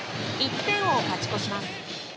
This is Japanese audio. １点を勝ち越します。